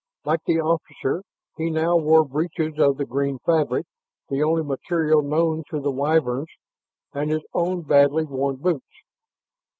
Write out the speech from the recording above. Like the officer, he now wore breeches of the green fabric, the only material known to the Wyverns, and his own badly worn boots.